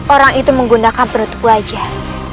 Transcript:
orang itu menggunakan penutup wajah